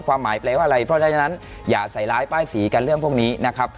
หมายแปลว่าอะไรเพราะฉะนั้นอย่าใส่ร้ายป้ายสีกันเรื่องพวกนี้นะครับ